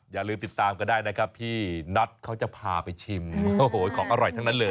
อย่าลืมติดตามกันได้นะครับพี่น็อตเขาจะพาไปชิมโอ้โหของอร่อยทั้งนั้นเลย